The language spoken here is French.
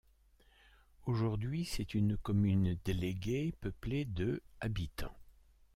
Aujourd'hui c'est une commune déléguée, peuplée de habitants.